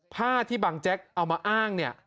ผ้าที่บังแจ๊กเอามาอ้างเนี่ย